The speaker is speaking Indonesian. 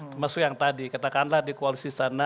termasuk yang tadi katakanlah di koalisi sana